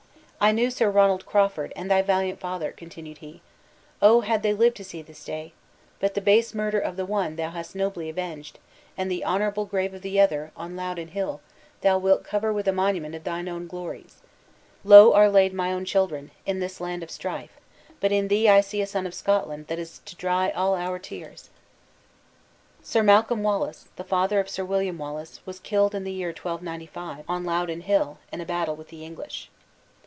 "I knew Sir Ronald Crawford, and thy valiant father," continued he, "O! had they lived to see this day! But the base murder of the one thou hast nobly avenged, and the honorable grave of the other, on Loudon Hill, thou wilt cover with a monument of thine own glories. Low are laid my own children, in this land of strife, but in thee I see a son of Scotland that is to dry all our tears." Sir Malcolm Wallace, the father of Sir William Wallace, was killed in the year 1295, on Loudon Hill, in a battle with the English.